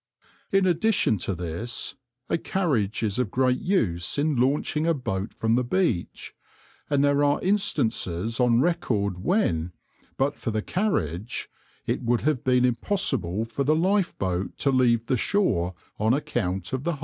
In addition to this a carriage is of great use in launching a boat from the beach, and there are instances on record when, but for the carriage, it would have been impossible for the lifeboat to leave the shore on account of the high surf.